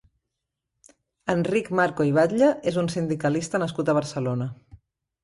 Enric Marco i Batlle és un sindicalista nascut a Barcelona.